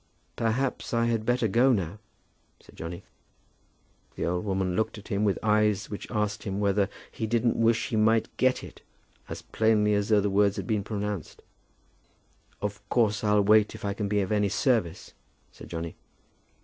"Perhaps I had better go now," said Johnny. The old woman looked at him with eyes which asked him whether "he didn't wish he might get it" as plainly as though the words had been pronounced. "Of course I'll wait if I can be of any service," said Johnny.